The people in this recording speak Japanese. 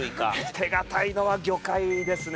手堅いのは魚介ですね。